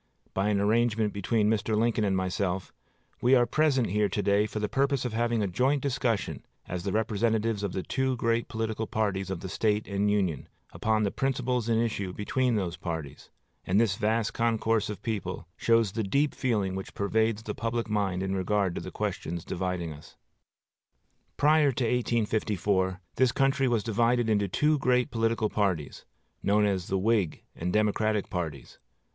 By an arrangement between Mr. Lincoln and myself, we are present here to day for the purpose of having a joint discussion, as the representatives of the two great political parties of the State and Union, upon the principles in issue between those parties; and this vast concourse of people shows the deep feeling which pervades the public mind in regard to the questions dividing us. Prior to 1854, this country was divided into two great political parties, known as the Whig and Democratic parties.